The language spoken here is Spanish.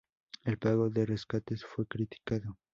El pago de rescates fue criticado.